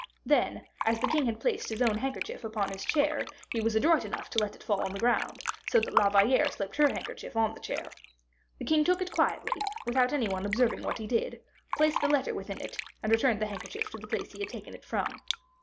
Then, as the king had placed his own handkerchief upon his chair, he was adroit enough to let it fall on the ground, so that La Valliere slipped her handkerchief on the chair. The king took it up quietly, without any one observing what he did, placed the letter within it, and returned the handkerchief to the place he had taken it from.